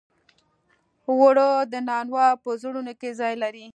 اوړه د نانو په زړونو کې ځای لري